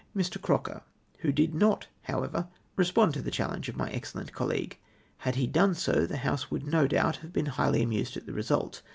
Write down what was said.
I Mr. Croker, who did not, however, respond to the challenge of my excellent colleague. Had he done so, the House would, no doubt, have been highly amused at the result.